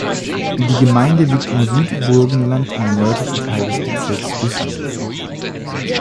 Die Gemeinde liegt im Südburgenland im nördlichen Teil des Bezirks Güssing.